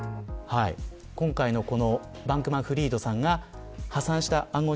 今回のバンクマンフリードさんが破産した暗号